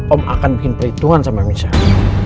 om akan bikin perhitungan sama michelle